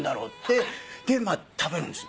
で食べるんですよ。